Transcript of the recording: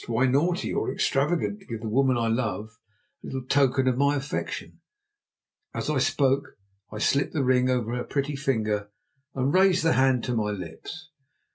Why naughty or extravagant to give the woman I love a little token of my affection?" As I spoke I slipped the ring over her pretty ringer and raised the hand to my lips.